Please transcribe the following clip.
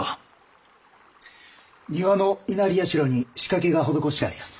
庭の稲荷社に仕掛けが施してありやす。